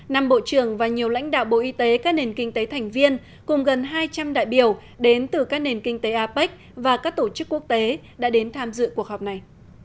năm bộ trưởng và nhiều lãnh đạo bộ y tế các nền kinh tế thành viên cùng gần hai trăm linh đại biểu đến từ các nền kinh tế apec và các tổ chức quốc tế đã đến tham dự cuộc họp này